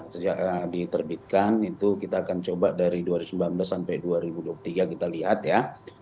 sejak diterbitkan itu kita akan coba dari dua ribu sembilan belas sampai dua ribu dua puluh tiga kita lihat ya